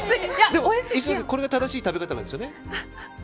これが正しい食べ方なんですよね？